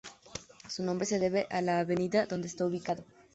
Su nombre se debe a la avenida donde está ubicado.